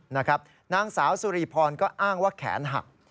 นางสาวสุริพรก็อ้างว่าแขนหัก